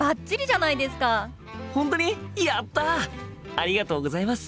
ありがとうございます。